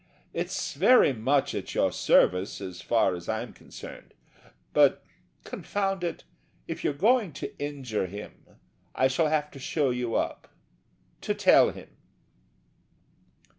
It's very much at your service as far as I'm concerned but, confound it, if you're going to injure him I shall have to show you up to tell him."